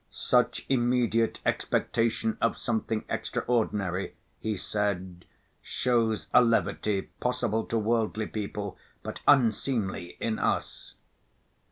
"Such immediate expectation of something extraordinary," he said, "shows a levity, possible to worldly people but unseemly in us."